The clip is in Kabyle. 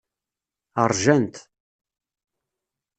Ṛjant.